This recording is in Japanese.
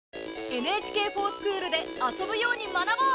「ＮＨＫｆｏｒＳｃｈｏｏｌ」で遊ぶように学ぼう！